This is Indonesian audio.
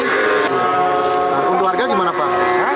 untuk harga gimana pak